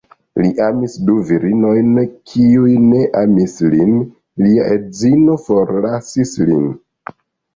Li amis du virinojn kiuj ne amis lin; lia edzino forlasis lin.